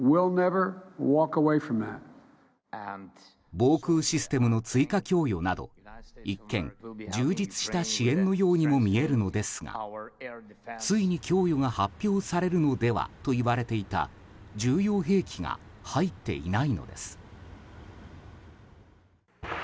防空システムの追加供与など一見、充実した支援のようにもみえるのですがついに供与が発表されるのではといわれていた重要兵器が入っていないのです。